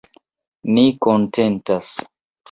Ni kontentas.